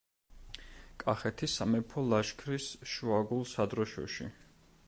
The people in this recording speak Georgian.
კახეთის სამეფო ლაშქრის შუაგულ სადროშოში.